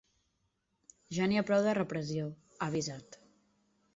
Ja n’hi ha prou de repressió, ha avisat.